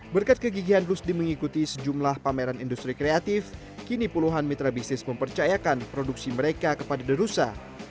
berkat kegigihan rusdi mengikuti sejumlah pameran industri kreatif kini puluhan mitra bisnis mempercayakan produksi mereka kepada derusa